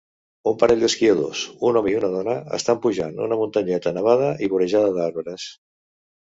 Un parell d'esquiadors, un home i una dona, estan pujant una muntanyeta nevada i vorejada d'arbres